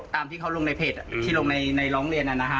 ตามที่เขาลงในเพจที่ลงในร้องเรียนนะฮะ